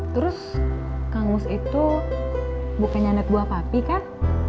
terus kang mus itu bukannya anak buah papi kan